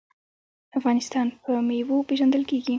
افغانستان په میوو پیژندل کیږي.